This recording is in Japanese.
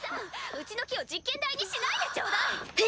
うちの木を実験台にしないでちょうだい！え！？